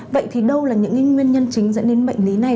vậy thì đâu là những nguyên nhân chính dẫn đến bệnh lý này